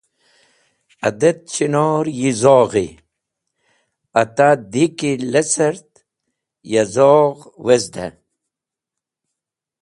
Adet chinor yi zoghi. Ata di kiy lecert ya zogh wazdey.